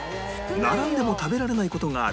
並んでも食べられない事がある